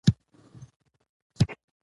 شاه حسين وويل: ميرويس خان چېرته دی؟